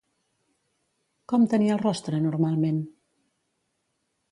Com tenia el rostre normalment?